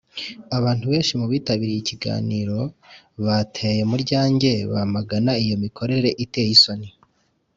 abantu benshi mu bitabiriye ikiganiro bateye mu ryanjye bamagana iyo mikorere iteye isoni,